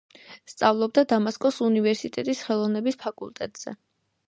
სწავლობდა დამასკოს უნივერსიტეტის ხელოვნების ფაკულტეტზე.